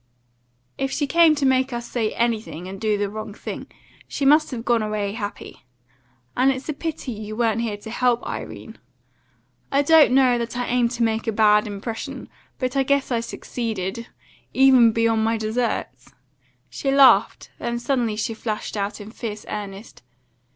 "If she came to make us say and do the wrong thing, she must have gone away happy; and it's a pity you weren't here to help, Irene. I don't know that I aimed to make a bad impression, but I guess I succeeded even beyond my deserts." She laughed; then suddenly she flashed out in fierce earnest.